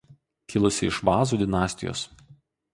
Kilusi iš Vazų dinastijos.